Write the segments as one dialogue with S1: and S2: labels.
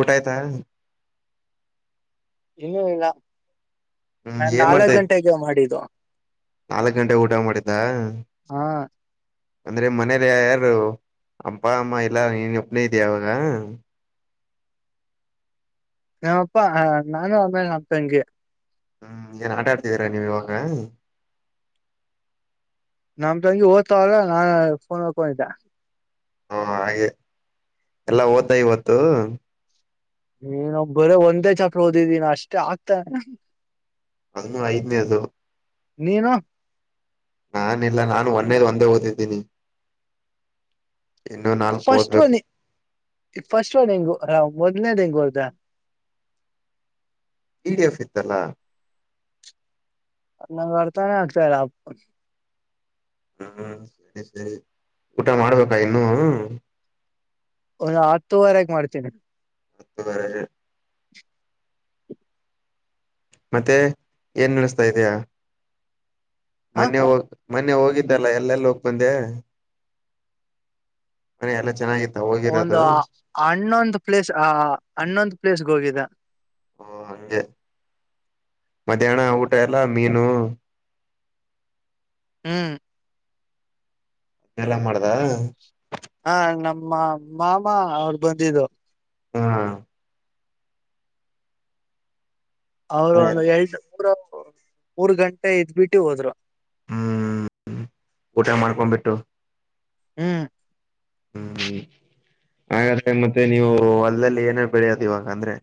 S1: ವಟಾಯ ಇತ
S2: ಇನ್ನೂ ಇಲ್ಲ
S1: ಹ್ಮ್
S2: ನಾನ್
S1: ಏನ್
S2: ನಾಲ್ಕ್
S1: ಮಾಡ್ತಾ ಇದ್
S2: ಗಂಟೆಗೆ ಮಾಡಿದ್ದು
S1: ನಾಲ್ಕ್ ಗಂಟೆ ಊಟ ಮಾಡಿದ್ದ
S2: ಹಾ
S1: ಅಂದ್ರೆ ಮನೇಲಿ ಯಾರು ಅಪ್ಪ ಅಮ್ಮ ಇಲ್ಲ ನೀನ್ ಒಪ್ನೇ ಇದ್ಯಾ ಅವಾಗ
S2: ನಮ್ಮಪ್ಪಾ ನಾನು ಆಮೇಲೆ ಅಪ್ಪಂಗೆ
S1: ಹ್ಮ್ ಏನ್ ಆಟಾಡ್ತವೀರಾ ನೀವ್ ಇವಾಗ
S2: ನಮ್ ತಂಗಿ ಓದ್ತವ್ರ ನಾನ್ ಫೋನ್ ಮಾಡ್ಕೊಂಡಿದ್ದ
S1: ಹಾ ಹಾಗೆ ಎಲ್ಲಾ ಓದ್ತಾ ಇವತ್ತು
S2: ನೀಏ ನ ಬರ ಒಂದೇ ಚಪ್ರ ಓದಿದ್ದೀನ ಅಷ್ಟೇ ಆಗ್ತ
S1: ಅದನ್ನು ಐದ್ನೇದು
S2: ನೀನು
S1: ನಾನ ಇಲ್ಲ ನಾನು ಒನ್ನೇದ ಒಂದೇ ಓದಿದ್ದೀನಿ ಇನ್ನು ನಾಲ್ಕು ಓದ್ಬೇಕು
S2: ಫಸ್ಟಫಸ್ಟ್ ಹೆಂಗುಮೊದ್ನೇ ಡೆಂಗೂ ಅರ್ದ
S1: ಇ ಡಿ ಎಫ್ ಇತ್ತಲ್ಲಾ
S2: ಅನ್ನ ವರ್ತ ಅಕ್ಷಲ್ಲ
S1: ಹ್ಮ್ ಸರಿ ಸರಿ ಊಟ ಮಾಡ್ಬೇಕಾ ಇನ್ನು
S2: ಒಂದು ಹತ್ತುವರೆಗೆ ಮಾಡ್ತೇನೆ
S1: ಹಪ್ಪ ಬರ ಮತ್ತೆ ಏನ್ ನಡೆಸ್ತಾ ಇದಯ
S2: ಹ
S1: ಮೊನ್ನೆ ಹೋಗ ಮೊನ್ನೆ ಹೋಗಿದ್ದಲ್ಲ ಎಲ್ಲೆಲ್ಲ ಹೋಗ ಬಂದೆ ಮನೆ ಎಲ್ಲ ಚೆನ್ನಾಗಿತ್ತು
S2: ಒಂದು ಹನ್ನೊಂದು ಪ್ಲೇಸ್ ಆ ಹನ್ನೊಂದು ಪ್ಲೇಸ್ಗೆ ಹೋಗಿದೆ
S1: ಓ ಹಗೆ ಮಧ್ಯಾಹ್ನ ಊಟ ಎಲ್ಲ ಮೀನು
S2: ಹ್ಮ್
S1: ಎಲ್ಲಾ ಮಾಡ್ದ
S2: ಹ ನಮ್ಮ ಮಾಮ ಅವರು ಬಂದಿದ್ದು
S1: ಹಾ
S2: ಅವರು ಒಂದು ಎರಡು ಮೂರ ಮೂರ್ ಗಂಟೆ ಇದ್ ಬಿಟ್ಟು ಹೋದ್ರು
S1: ಹ್ಮ ಊಟ ಮಾಡಾರಕೊಂಡ ಬೆಟ್ಟು
S2: ಹ್ಮ
S1: ಹ್ಮಹಾಗಾದ್ರೆ ಮತ್ತೆ ನೀವು ಹೊಲ್ದಲ್ಲಿ ಏನೇ ಬೆಳೆಯೋದು ಇವಾಗ ಅಂದ್ರೆ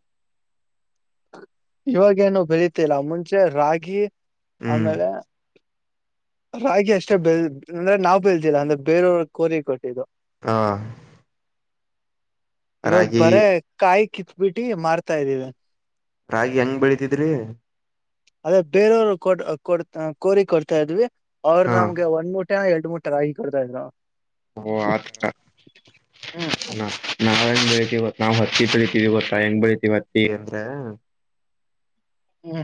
S2: ಇವಾಗೇನು ಬೆಳೀತಿಲ್ಲ ಮುಂಚೆ ರಾಗಿ
S1: ಹ್ಮ್
S2: ಆಮೇಲೆ ರಾಗಿ ಅಷ್ಟೇ ಬೆಲ್ ಅಂದ್ರೆ ನಾವ್ ಬೆಲ್ದಿಲ್ಲ ಅಂದ್ರೆ ಬೇರೆಯವ್ರ ಕೋರಿ ಕೊಟ್ಟಿದ್ದು
S1: ಹಾ
S2: ಇವಾಗ
S1: ರಾಗಿ
S2: ಬರಿ ಕಾಯಿ ಕಿತ್ಬಿಟ್ಟಿ ಮಾರ್ತಾ ಇದ್ದಿವಿ
S1: ರಾಗಿ ಹೆಂಗ ಬೆಳತಿದ್ರಿ
S2: ಅದೇ ಬೇರೆಯವರು ಕೊಡ್ ಕೊಡ್ ಕೋರಿ ಕೊಡ್ತಾ ಇದ್ವಿ ಅವರು
S1: ಹಾ
S2: ನಮ್ಗೆ ಒಂದ್ ಮೂ ಎರಡು ಮೂಟ್ಟೆ ರಾಗಿ ಕೊಡ್ತಾ ಇದ
S1: ಓ ಆತರ
S2: ಹ್ಮ್
S1: ಅ ನಾವ್ ಹೆಂಗ ಬೆಳೀತಿವಿ ಗೊತ್ ನಾವ್ ಹತ್ತಿ ಬೆಳಿತೀವಿ ಗೊತ್ತಾ ಹೆಂಗ್ ಬೆಳಿತೀವಿ ಹತ್ತಿ ಅಂತ
S2: ಹ್ಮ್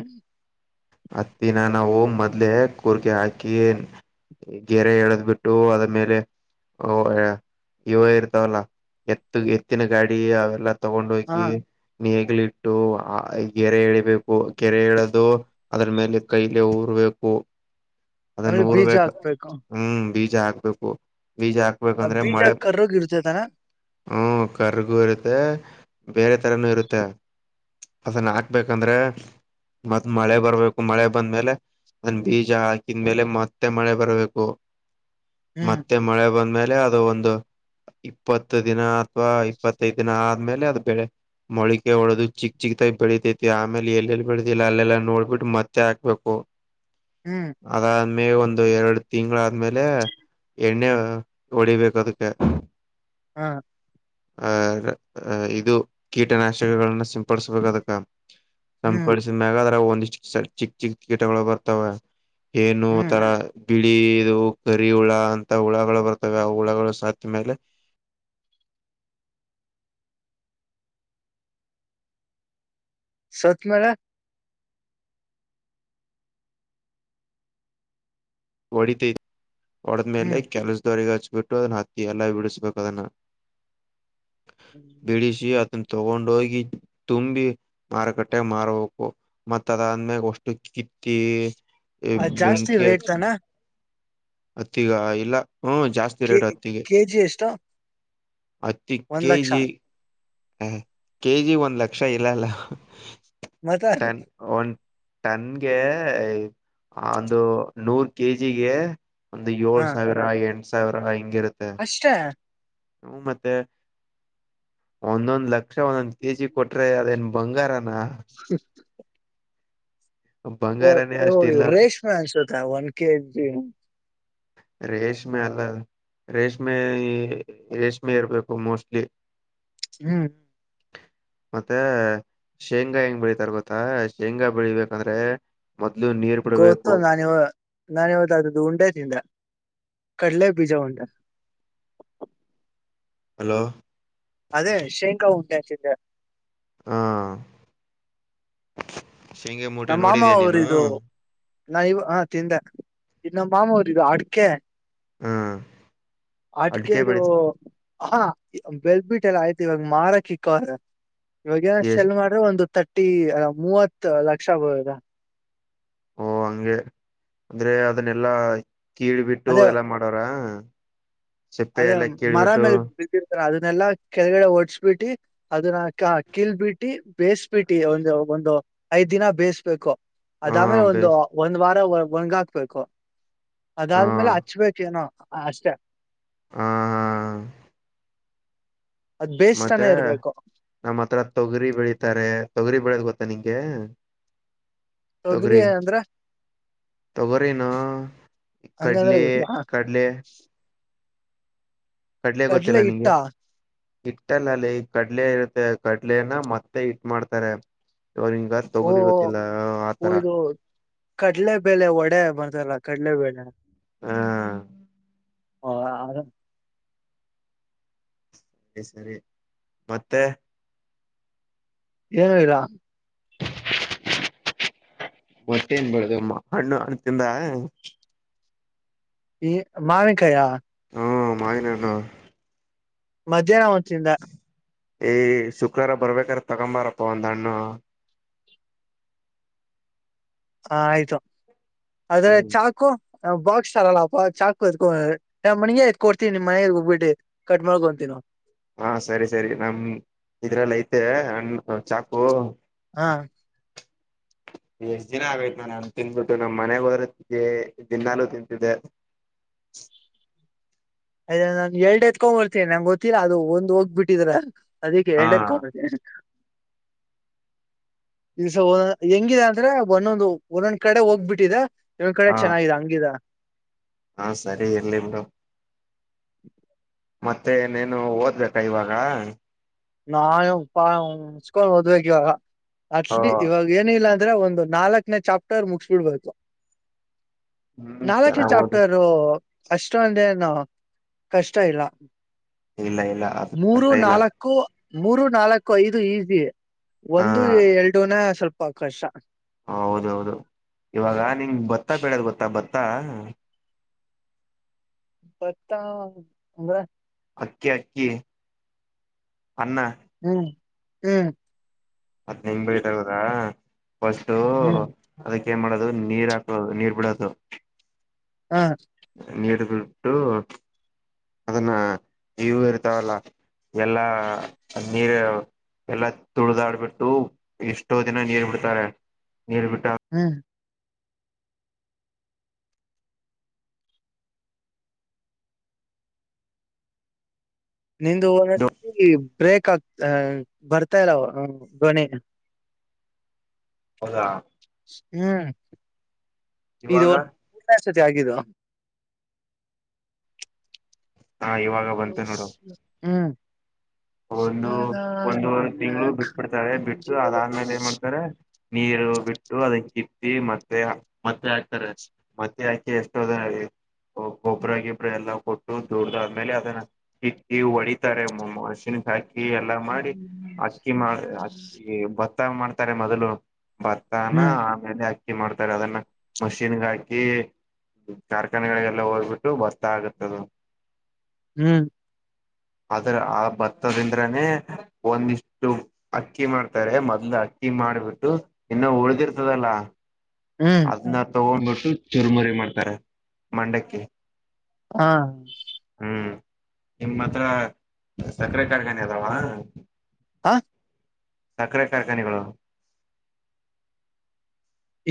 S1: ಹತ್ತಿನ ನಾವು ಮೊದ್ಲೆೇ ಕುೂರ್ಗೆ ಹಾಕಿ ಗೆರೆ ಎಳದ್ ಬಿಟ್ಟು ಅದ್ಮೇಲೆ ಓ ಇವ ಇರ್ತಾವಲ್ಲಾ ಎತ್ತು ಎತ್ತಿನ ಗಾಡಿ ಅವೆಲ್ಲ
S2: ಹಾ
S1: ತಗೊಂಡೋಗಿ ನೆಗ್ಲಿಟ್ಟು ಗೇರೆ ಎಳಿಬೇಕು ಗೇರೆ ಎಳೆದು ಅದ್ರ ಮೇಲೆ ಕೈಲೆ ಊರ್ಬೇಕು ಅದನ್ನ
S2: ಆಮೇಲೆ ಬೀಜ
S1: ಊರ್ಬೇಕೇಕು
S2: ಹಾಕ್ಬೇಕು
S1: ಹ್ಮ್ ಬೀಜ ಹಾಕ್ಬೇಕು ಬೀಜ ಹಾಕ್
S2: ಆ
S1: ಹೋಗಬೇಕಂದ್ರೆ
S2: ಬೀಜ
S1: ಮಳೆ
S2: ಕರ್ರಗ್ ಇರುತ್ತೆ ತಾನೆ
S1: ಹ್ಮ ಕರ್ಗು ಇರುತ್ತೆ ಬೇರೆ ತರಾನು ಇರುತ್ತೆ ಅದನ್ನ ಹಾಕ್ಬೇಕಂದ್ರೆ ಮತ್ತ್ ಮಳೆ ಬರ್ಬೇಕು ಮಳೆ ಬಂದ್ಮೇಲೆ ಅದನ್ ಬೀಜ ಹಾಕ ಇನ್ಮೇಲೆ ಮತ್ತೆ ಮಳೆ ಬರ್ಬೇಕು
S2: ಹ್ಮ್
S1: ಮತ್ತೆ ಮಳೆ ಬಂದ್ಮೇಲೆ ಅದು ಒಂದು ಇಪ್ಪತ್ತು ದಿನ ಅಥವಾ ಇಪ್ಪತ್ತೈದು ದಿನ ಆದ್ಮೇಲೆ ಅದು ಬೆಳೆ ಮೊಳಿಕೆ ಹೊಡದು ಚಿಕ್ ಚಿಕ್ದಾಗಿ ಬೆಳಿತೈತಿ ಆಮೇಲೆ ಎಲ್ಲೆಲ್ಲಿ ಬೆಳತಿಲ್ಲ ಅಲ್ಲೆಲ್ಲ ನೋಡ್ಬಿಟ್ಟು ಮತ್ತೆ ಹಾಕ್ಬೇಕು
S2: ಹ್ಮ್
S1: ಅದಾದ್ಮೇ ಒಂದು ಎರಡು ತಿಂಗಳಾದ್ಮೇಲೆ ಎಣ್ಣೆ ಹೊಡಿಬೇಕು ಅದಕ್ಕೆ
S2: ಹಾ
S1: ಆ ಇದು ಕೀಟನಾಶಕನ್ನ ಸಿಂಪಡಿಸಬೇಕು ಅದಕ್ಕ
S2: ಹ್ಮ್
S1: ಸಿಂಪಡಿಸಿದ ಮ್ಯಾಗದ್ರ ಒಂದಿಷ್ಟ ಚಿಕ್ ಚಿಕ್ ಕೀಟಗಳು ಬರ್ತಾವ ಏನು
S2: ಹ್ಮ್
S1: ತರಾ ಬಿಳಿ ಇದು ಕರಿ ಹುಳ ಅಂತ ಹುಳಗಳು ಬರ್ತವೆ ಆ ಹುಳಗಳು ಸತ್ ಮೇಲೆ
S2: ಸತ್ ಮೇಲೆ
S1: ಹೊಡಿತೈ ಹೊಡೆದ್ಮೇಲೆ
S2: ಹ್ಮ್
S1: ಕೆಲಸದವರೆಗೆ ಹಚ್ಬಿಟ್ಟು ಅದ ಹತ್ತಿ ಎಲ್ಲ ಬಿಡಿಸಬೇಕು ಅದನ್ನು ಬಿಡಿಸಿ ತಗೊಂಡ ಹೋಗಿ ತುಂಬಿ ಮಾರುಕಟ್ಟೆ ಮಾರಬೇಕು ಮತ್ತ ಅದಾದ್ಮೇಗ ಒಷ್ಟು ಕಿತ್ತಿ
S2: ಅದ್ ಜಾಸ್ತಿ ರೇಟ್
S1: ಬೆೆಂಕಿಹಚ್
S2: ತಾನ
S1: ಅತ್ತೀಗ ಇಲ್ಲ ಹ್ಮ ಜಾಸ್ತಿ
S2: ಕೆ
S1: ರೇಟ್ ಹತ್ತಿಗೆ
S2: ಕೆ ಜಿ ಎಷ್ಟು
S1: ಹತ್ತಿ ಕೆ ಜಿ ಹ ಕೆ ಜಿ ಒಂದ್ ಲಕ್ಷ ಇಲ್ಲ ಅಲ್ಲ
S2: ಮತ್ತೆ
S1: ಟನ್ ಒಂದ ಟನ್ಗೆ ಒಂದು ನೂರ್ ಕೆಜಿಗೆ ಒಂದು ಏಳ್ ಸಾವಿರ ಎಂಟ ಸಾವಿರ ಹಿಂಗಿರುತ್ತೆ
S2: ಅಷ್ಟ
S1: ಹೂ ಮತ್ತೆ ಒಂದೊಂದ್ ಲಕ್ಷ ಒಂದೊಂದ್ ಕೆಜಿ ಕೊಟ್ರೆ ಅದೇನ್ ಬಂಗಾರನಾ
S2: [unintelligible]
S1: ಬಂಗಾರನೇ
S2: ಓ
S1: ಅಷ್ಟಿಲ್ಲ
S2: ರೇಷ್ಮೆ ಅಂಶತ ಒನ್ ಕೆ ಜಿ
S1: ರೇಷ್ಮೆ ಅಲ್ಲಲ್ಲ ರೇಷ್ಮೆ ರೇಷ್ಮೇ ಇರ್ಬೇಕು ಮೋಸ್ಟ್ಲಿ
S2: ಹ್ಮ್
S1: [unintelligible] ಮತ್ತೆ ಶೇಂಗಾ ಹೆಂಗ್ ಬೆಳಿತಾರೆ ಗೊತ್ತಾ ಶೇಂಗಾ ಬೆಳಿಬೇಕಂದ್ರೆ. ಮೊದಲು ನೀರ್
S2: ಗೊತ್ತು
S1: ಬಿಡ್ಬೇಕು
S2: ನಾನ್ ಇವಾಗ ನಾನ್ ಇವತ್ತು ಆದರ ಉಂಡೆ ತಿಂದೆ ಕಡ್ಲೆ ಬೀಜ ಉಂಡೆ.
S1: ಹಲೋ
S2: ಅದೇ ಶೇಂಗಾ ಉಂಡೆ ತಿಂದೆ.
S1: ಹಾ ಶೇಂಗ ಮೂಟೆ
S2: ನಮ್ಮ ಮಾಮ
S1: ನೋಡಿದಿಯ
S2: ಅವ್ರ
S1: ನೀನು.
S2: ಇದು ನಾ ಇವಾಗ ಹಾ ತಿಂದೆ ಇ ನಮ್ಮ ಮಾಮೂಲಿ ಇದು ಅಡಕೆ.
S1: ಹ್ಮ್
S2: ಅಡಿಕೆದು ಹಾ ಬೆಲ್ಬಿಟ್ಟೆಲ್ಲ ಆಯ್ತು ಇವಾಗ ಮಾರಕೆ ಇಕ್ಕವರೆ. ಇವಾಗೇನ್
S1: ಎಷ್ಟ
S2: ಸೆಲ್ ಮಾಡು ಒಂದು ತರ್ಟಿ ಅ ಮೂವತ್ ಲಕ್ಷ ಬರುತ್ತೆ.
S1: ಓ ಹಂಗೆ ಅಂದ್ರೆ ಅದನ್ನೆಲ್ಲಾ ಕೀಳ್ ಬಿಟ್ಟು
S2: ಅದೇ
S1: ಎಲ್ಲಾ ಮಾಡವಾರ.
S2: ಅದೇ ಮರ ಮೇಲೆ ಬಿದ್ದಿರ್ತಾರೆ ಅದನ್ನೆಲ್ಲಾ ಕೆಳಗಡೆ ಒಡ್ಸ್ಬಿಟ್ಟಿ. ಅದನ್ನ ಕ ಕಿಲ್ಬಿಟ್ಟಿ ಬೇಯಿಸಬಿಟ್ಟಿ ಒಂದು ಒಂದು ಐದ್ ದಿನ ಬೇಯಸ್ಬೇಕು.
S1: ಹ
S2: ಆದ್ಮೇಲೆ ಒಂದು
S1: ಬೇಸ್
S2: ಒಂದು ವಾರ ಒಣಗ್ ಹಾಕ್ಬೇಕು
S1: ಹ
S2: ಅದಾದ್ಮೇಲೆ ಹಚ್ಬೇಕ್ ಏನೋ ಅಷ್ಟೇ
S1: ಹಾ ಹಾ
S2: ಅದ್ ಬೇಯಿಸ್ತಾನೆ
S1: ಮತ್ತೆ
S2: ಇರ್ಬೇಕು
S1: ನಮ್ಮ್ ಹತ್ತಿರ ತೊಗರಿ ಬೆಳಿತಾರೆ ತೊಗರಿ ಬೆಳೋದ್ ಗೊತ್ತಾ ನಿಂಗೆ.
S2: ತೊಗರಿ ಅಂದ್ರೆ
S1: ತೊಗರಿನೋ
S2: ಹಂಗಂದ್ರೆ
S1: ಕಡಲೆ
S2: ಗೊತ್ತಿಲ್ಲ ಹ
S1: ಕಡಲೆ ಕಡಲೆ
S2: ಕಡ್ಲೆ
S1: ಗೊತ್ತಿಲ್ಲ
S2: ಹಿಟ್ಟ
S1: ನಿಂಗೆ. ಹಿಟ್ಟು ಅಲ್ಲಲ್ಲೇ ಕಡಲೆ ಇರುತ್ತೆ ಕಡ್ಲೆನ ಮತ್ತೆ ಹಿಟ್ಟು ಮಾಡ್ತಾರೆ ಇವರು ಹಿಂಗ್
S2: ಓ
S1: ತೊಗರಿ ಗೊತ್ತಿಲ್ಲ ಆತರ
S2: ಕಡಲೆಬೆಲೆೆ ಒಡೆ ಮಾಡ್ರತಲ್ಲ ಕಡ್ಲೆಬೇಳೆ
S1: ಹಾ
S2: ಹ [unintelligible]
S1: ಏ ಸರಿ ಮತ್ತೆ
S2: ಏನೆರಾ
S1: ಮತ್ತೆನ್ ಮಾಡುದು ಹಣ್ಣು ಹಣ್ಣ್ ತಿಂದ
S2: ಈ ಮಾವಿನಕಾಯ
S1: ಹ್ಮ್ ಮಾವಿನಹಣ್ಣು
S2: ಮಧ್ಯಾಹ್ನ ಒಂದ್ ತಿಂದ
S1: ಏ ಶುಕ್ರವಾರ ಬರ್ಬೇಕಾದ್ರೆ ತಗೊಂಬಾರಪ್ಪ ಒಂದ್ ಹಣ್ಣು.
S2: ಹ ಆಯ್ತು ಆದ್ರೆ
S1: ಹ್ಮ್
S2: ಚಾಕು ಬಾಕ್ಸ್ ತರಲ್ಲಪ್ಪ ಚಾಕು ಇತ್ಕೊಂಡ್ ನಮ್ಮ ಮನೆಗೆ ಎತ್ತಿ ಕೊಡ್ತೀನಿ ನಿಮ್ ಮನೆಗೆ ಹೋಗಬಿಟ್ಟಿ. ಕಟ್ ಮಾಡಕೊಂಡು ತಿನ್ನು
S1: ಹಾ ಸರಿ ಸರಿ ನಮ್ ಇದ್ರಲ್ಲಿ ಐತೆ ಅಣ್ ಚಾಕು
S2: ಹಾ
S1: ಎಷ್ಟ್ ದಿನ ಆಗೈತ್ ನಾನು ಹಣ್ಣು ತಿಂದ್ಬಿಟ್ಟು ನಮ್ ಮನೆಗೆ ಹೋದ್ರೆ ದಿನಾಲೂ ತಿಂತಿದ್ದೆ.
S2: ಅ ನಾನ್ ಎಲ್ಡ್ ಎತ್ಕೊಂಡ್ ಬರ್ತೇನೆ ನಂಗ್ ಗೊತ್ತಿಲ್ಲಾ ಅದು ಒಂದ್ ಹೋಗ್ ಬಿಟ್ಟಿದ್ರೆ ಅದಕ್ಕೆ
S1: ಹಾ
S2: ಎರಡ್ ಎತ್ತಕೊಂಡ್
S1: [unintelligible]
S2: ಇದುಸ ಒ ಹೆಂಗಿದ ಅಂದ್ರೆ ಒಂದೊಂದು ಒಂದೊಂದ್ ಕಡೆ ಹೋಗ್ಬಿಟ್ಟಿದ ಎೊಂದ್ ಕಡೆ
S1: ಹಾ
S2: ಚೆನ್ನಾಗಾಗಿದೆ ಹಂಗಿದ
S1: ಹಾ ಸರಿ ಇರ್ಲಿ ಬಿಡಮ್
S2: [unintelligible]
S1: ಮತ್ತೆ ನೀನು ಓದ್ಬೇಕಾ ಇವಾಗ
S2: ನಾ ಪ ಹಚ್ಕೊಂಡ್ ಓದ್ಬೇಕ ಇವಾಗ
S1: ಹಾ
S2: ಹಸಡಿ ಇವಾಗ ಏನಿಲ್ಲ ಅಂದ್ರೆ ಒಂದು ನಾಲ್ಕನೇ ಚಾಪ್ಟರ್ ಮುಗಿಸ ಬಿಡ್ಬೇಕು
S1: ಹ್ಮ್
S2: ನಾಲ್ಕ್
S1: ಚೆನ್ನಾಗ್ ಓದು
S2: ಚಾಪ್ಟರ್ ಅಷ್ಟೊ ಅಂದೇನು ಕಷ್ಟ ಇಲ್ಲ
S1: ಇಲ್ಲ ಇಲ್ಲ ಅದು
S2: ಮೂರು
S1: ಕಷ್ಟ ಇಲ್ಲ
S2: ನಾಲ್ಕ್ ಕ್ಕು ಮೂರು ನಾಲ್ಕು ಐದು ಈಸಿ
S1: ಹಾ
S2: ಒಂದು ಎರಡುನ ಸ್ವಲ್ಪ ಅವಕಾಶ
S1: ಹೌದೌದು ಇವಾಗ ನಿಂಗ ಭತ್ತ ಬೆಳೋದು ಗೊತ್ತಾ ಭತ್ತಾ
S2: ಭತ್ತ ಅಂದ್ರೆ
S1: ಅಕ್ಕಿ ಅಕ್ಕಿ ಅನ್ನ
S2: ಹ್ಮ್ ಹ್ಮ್
S1: ಮತ್ ನಿಮ್ ಬೆಳಿ ತೆಗೆದ್ರಾ ಫಸ್ಟೂ
S2: ಹ್ಮ್
S1: ಅದಕ್ ಏನ್ ಮಾಡೋದು ನೀರ್ ಹಾಕದು ನೀರ್ ಬಿಡೋದು
S2: ಹಾ
S1: ನೀರ್ ಬಿಟ್ಟು ಅದನ್ನ ಇವು ಇರ್ತಾವಲ್ಲ ಎಲ್ಲಾ ನೀರು ಎಲ್ಲಾ ತುಳ್ದಾಡ್ಬಿಟ್ಟು ಎಷ್ಟೋ ದಿನ ನೀರ್ ಬಿಡ್ತಾರೆ ನೀರ್ ಬಿಟ್ಟಾ
S2: ಹ್ಮ್ ನಿಂದು ಒಂದ ರತಿ ಬ್ರೇಕ್ ಆಗ್ತ ಬರ್ತಾ ಇಲ್ಲ ಧ್ವನಿ
S1: ಹೌದಾ
S2: ಹ್ಮ್ ಇದು
S1: ಇವಾಗ
S2: ಒಂದು ಜೊತಿ ಆಗಿದ
S1: ಹಾ ಇವಾಗ ಬಂತು ನೋಡು
S2: ಹ್ಮ್
S1: [unintelligible] ಒಂದು ಒಂದು ವರೇತಿಂಗಳು ಬಿಟ್ಬಿಡ್ತಾರೆ ಬಿಟ್ಟು ಅದಾದ್ಮೇಲೆ ಏನ್ ಮಾಡ್ತಾರೆ ನೀರು ಬಿಟ್ಟು ಅದ ಕಿತ್ತಿ ಮತ್ತೆ ಮತ್ತೆ ಹಾಕ್ತಾರೆ ಮತ್ತೆ ಹಾಕಿ ಎಷ್ಟೋದ ಗೊಬ್ಬ್ರ ಗೊಬ್ಬ್ರ ಎಲ್ಲಾ ಕೊಟ್ಟು ದೊಡ್ಡ್ದ ಆದ್ಮೇಲೆ ಅದನ್ನ ಕಿಟ್ಟಿ ಹೊಡಿತಾರೆ ಮೊಮ್ಮ ಹಾಕಿ ಎಲ್ಲಾ ಮಾಡಿ ಅಕ್ಕಿ ಮಾಡ ಅಕ್ಕಿ ಭತ್ತ ಮಾಡ್ತಾರೆ ಮೊದಲು ಭತ್ತನ
S2: ಹ್ಮ್
S1: ಆಮೇಲೆ ಅಕ್ಕಿ ಮಾಡ್ತಾರೆ ಅದನ್ನ ಮಷಿನ್ಗ್ ಹಾಕಿ ಕಾರ್ಖಾನೆಗಳಿಗೆಲ್ಲ ಹೋಗ್ಬಿಟ್ಟು ಬತ್ತಾ ಆಗತ್ತದು
S2: ಹ್ಮ್
S1: ಆದ್ರೆ ಆ ಭತ್ತದಿಂದ್ರನೇ ಒಂದಿಷ್ಟು ಅಕ್ಕಿ ಮಾಡ್ತಾರೆ ಮೊದ್ಲು ಅಕ್ಕಿ ಮಾಡ್ಬಿಟ್ಟು ಇನ್ನ ಉಳ್ದಿರ್ತದಲ್ಲಾ
S2: ಹ್ಮ್
S1: ನ ತಗೊಂಡ್ಬಿಟ್ಟು ಚುರ್ಮುರಿ ಮಾಡ್ತಾರೆ ಮಂಡಕ್ಕಿ
S2: ಹಾ
S1: ಹ್ಮ್ ನಿಮ್ಮ ಹತ್ರ ಸಕ್ರೆ ಕಾರ್ಖಾನ ಅದವಾ
S2: ಅ
S1: ಸಕ್ರೆ ಕಾರ್ಖಾನೆಗಳು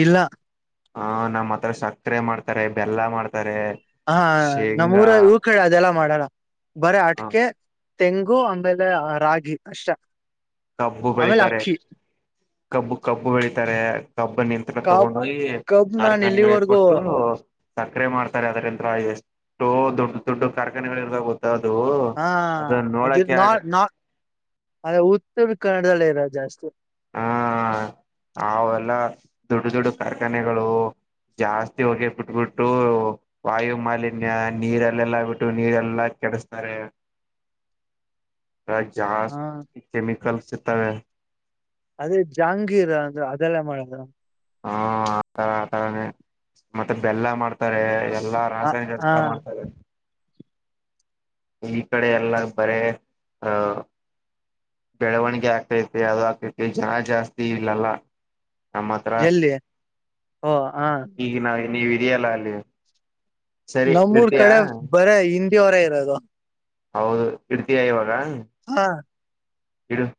S2: ಇಲ್ಲ
S1: ಹಾಂ ನಮ್ಮ್ ಹತ್ರ ಸಕ್ರೆ ಮಾಡ್ತಾರೆ ಬೆಲ್ಲ ಮಾಡ್ತಾರೆ
S2: ಹಾ ನಮ್ಮೂರ
S1: ಶೇಂಗಾ
S2: ಇವಕೇ ಅದೆಲ್ಲ ಮಾಡಲ್ಲ ಬರೆ ಅಟ್ಕೆ ತೆಂಗು ಆಮೇಲೆ ಅ ರಾಗಿ ಅಷ್ಟೆ
S1: ಕಬ್ಬು ಬೆಳಿತಾರೆ ಕಬ್ಬು ಕಬ್ಬು ಬೆಳಿತಾರೆ ಕಬ್ಬು ನಿ
S2: ಕಬ್
S1: ತಗೊಂಡ ಹೋಗಿ
S2: ಕಬ್ ನಾನ್
S1: ಕಾರ್ಖಾನೆಗಳಿಗೆ
S2: ಎಲ್ಲಿವರೆಗೂ
S1: ಕೊಟ್ಟು ಸಕ್ಕರೆ ಮಾಡ್ತಾರೆ ಅದ್ರಂತ್ರ ಎಷ್ಟೋ ದೊಡ್ಡ ದೊಡ್ಡ ಕಾರ್ಖಾನೆಗಳು ಇರ್ಾಗ ಅೌದು
S2: ಹಾ ಅದ ನಾಾ ಅದ ಉತ್ತರ ಕನ್ನಡದಲ್ಲ ಇರ ಜಾಸ್ತಿ
S1: ಹಾ ಅವೆಲ್ಲ ದೊಡ್ಡ ದೊಡ್ಡು ಕಾರ್ಖಾನೆಗಳು ಜಾಸ್ತಿ ಹೊಗೆೇ ಬಿಟ್ಬಿಟ್ಟು ವಾಯು ಮಾಲಿನ್ಯ ನೀರೆಲ್ಲೆಲ್ಲಾ ಬಿಟ್ಟು ನೀರೆಲ್ಲಾ ಕೆಡಸ್ತಾರೆ ಜ
S2: ಹಾ
S1: ಕೆಮಿಕಲ್ ಸಿ ತ
S2: ಅದೇ ಜಾಂಗೀರ ಅಂದ್ರೆ ಅದೆಲ್ಲ ಮಾಡದ
S1: ಹಾ ಆ ತರ ಆತರಾನೇ ಮತ್ತೆ ಬೆಲ್ಲ ಮಾಡ್ತಾರೆ ಎಲ್ಲಾ
S2: ಹ
S1: ರಾಸಾಯನಿಕ
S2: ಹಾ
S1: ಎಂತ ಮಾಡ್ತಾರೆ ಈ ಕಡೆ ಎಲ್ಲ ಬರ ಅ ಬೆಳವಣಿಗೆ ಆಗ್ತೈತೆ ಅಾವ್ದ ಆಗ್ತೈತಿ ಜನ ಜಾಸ್ತಿ ಇಲ್ಲಲ್ಲ ನಮ್ಮ ಹತ್ರ
S2: ಎಲ್ಲಿ ಓ ಹ
S1: ಈಗ ನಾ ನೀವ್ ಇದೆಯಲ್ಲ ಅಲ್ಲಿ ಸರಿ
S2: ನಮ್ಮೂರ್
S1: ಇಡ್ತೀಯಾ
S2: ಕಡೆ ಬರ ಹಿಂದಿ ಹೊರೆ ಇರೋದು
S1: ಹೌದು ಇಡ್ತಿಯಾ ಇವಾಗ
S2: ಹಾ
S1: ಎಡಡು